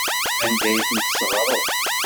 Anda ay tent-tesseɣreḍ?